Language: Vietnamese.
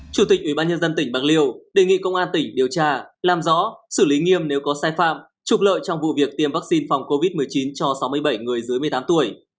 chủ tịch ubnd tỉnh bạc liêu đề nghị công an tỉnh điều tra làm rõ xử lý nghiêm nếu có sai phạm trục lợi trong vụ việc tiêm vaccine phòng covid một mươi chín cho sáu mươi bảy người dưới một mươi tám tuổi